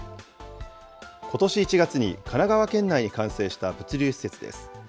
ことし１月に、神奈川県内に完成した物流施設です。